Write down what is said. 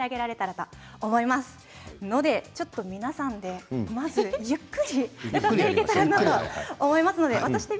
ちょっと皆さんでまずゆっくりと歌っていけたらなと思います。